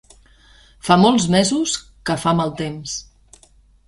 Fa molts mesos que fa mal temps.